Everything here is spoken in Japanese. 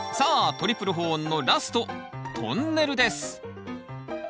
トリプル保温のラストトンネルです。